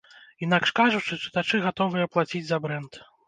Інакш кажучы, чытачы гатовыя плаціць за брэнд.